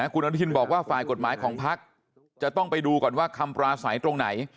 คุณอนุทินบอกว่าฝ่ายกฎหมายของพักจะต้องไปดูก่อนว่าคำปราศัยตรงไหน